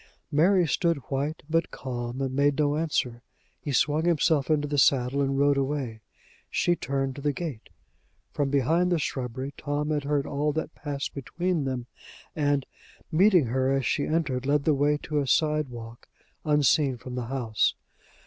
Mary stood white but calm, and made no answer. He swung himself into the saddle, and rode away. She turned to the gate. From behind the shrubbery, Tom had heard all that passed between them, and, meeting her as she entered, led the way to a side walk, unseen from the house.